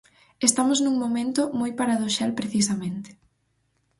Estamos nun momento moi paradoxal precisamente.